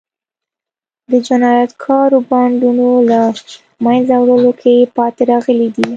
د جنایتکارو بانډونو له منځه وړلو کې پاتې راغلي دي.